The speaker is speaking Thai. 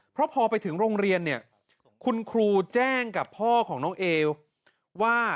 เพราะพอไปถึงโรงเรียนเนี่ยคุณครูแจ้งกับพ่อของน้องเอว่า